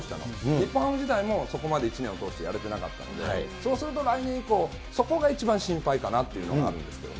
日本ハム時代もそこまで一年を通してやれてなかったので、そうすると来年以降、そこが一番心配かなっていうのがあるんですけどね。